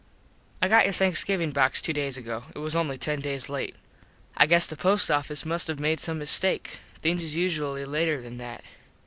I got your Thanksgivin box two days ago. It was only ten days late. I guess the post office must have made some mistake. Things is usually later than that.